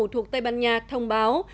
thuộc tây ban nha thông báo